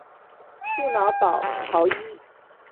杜瑙保陶伊。